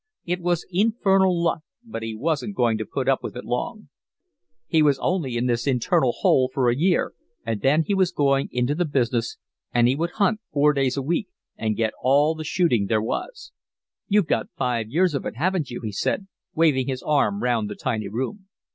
It was infernal luck, but he wasn't going to put up with it long; he was only in this internal hole for a year, and then he was going into the business, and he would hunt four days a week and get all the shooting there was. "You've got five years of it, haven't you?" he said, waving his arm round the tiny room.